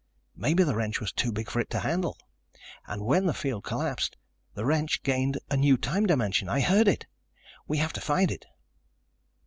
Maybe the wrench was too big for it to handle. And when the field collapsed the wrench gained a new time dimension. I heard it. We have to find it."